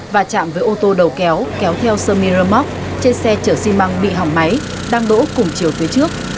va chạm với ô tô đầu kéo kéo theo sermiro moc trên xe chở xi măng bị hỏng máy đang đỗ cùng chiều phía trước